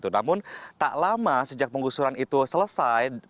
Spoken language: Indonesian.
namun tak lama sejak penggusuran itu selesai